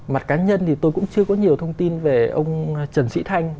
mặt cá nhân thì tôi cũng chưa có nhiều thông tin về ông trần sĩ thanh